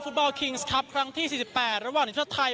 ฟุตบอลคิงส์ครับครั้งที่สี่สิบแปดระหว่างอินทรัศน์ไทย